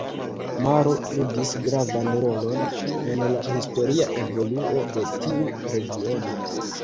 Maro ludis gravan rolon en la historia evoluo de tiu regiono.